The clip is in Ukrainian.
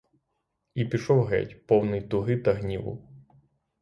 І пішов геть, повний туги та гніву.